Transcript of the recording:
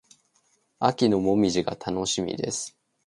秋の紅葉が楽しみです。